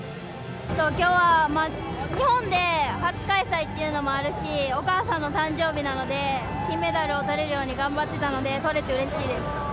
今日は日本で初開催っていうこともあるし、お母さんの誕生日なので、金メダルを取れるように頑張っていたので取れて嬉しいです。